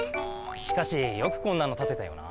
しかしよくこんなのたてたよな。